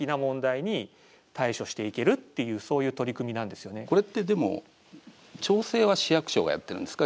こうやってこれってでも調整は市役所がやってるんですか？